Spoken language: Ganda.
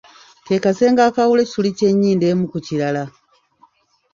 Ke kasenge akaawula ekituli ky’ennyindo emu ku kirala.